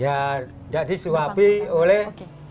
ya tidak disuapi oleh